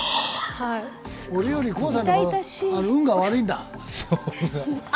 俺より黄さんの方が運が悪いんだ。